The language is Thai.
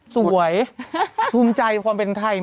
สวยภูมิใจความเป็นไทย